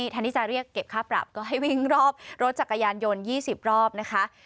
แทนที่จะเรียกเก็บค่าปรับก็ให้วิ่งรอบรถจักรยานยนต์๒๐รอบนะคะ